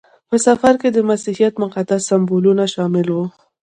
په سفر کې د مسیحیت مقدس سمبولونه شامل وو.